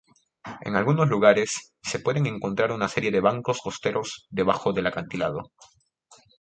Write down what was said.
En algunos lugares, se pueden encontrar una serie de bancos costeros debajo del acantilado.